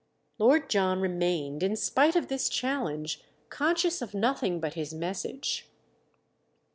Lord John remained, in spite of this challenge, conscious of nothing but his message.